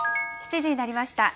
７時になりました。